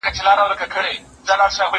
زه هره ورځ د سبا لپاره د لغتونو زده کړه کوم؟!